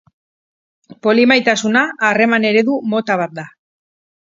Polimaitasuna harreman-eredu mota bat da.